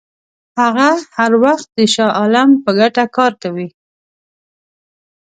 هغه هر وخت د شاه عالم په ګټه کار کوي.